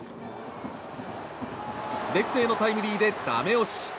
レフトへのタイムリーでダメ押し。